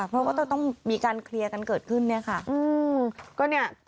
เพราะว่าต้องมีการเคลียร์กันเกิดขึ้นเนี่ยค่ะ